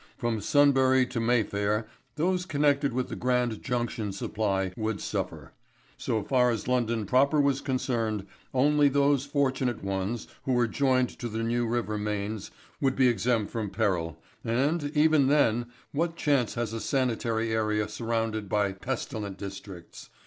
From Sunbury to Mayfair those connected with the Grand Junction supply would suffer. So far as London proper was concerned, only those fortunate ones who were joined to the New River mains would be exempt from peril, and, even then, what chance has a sanitary area surrounded by pestilent districts?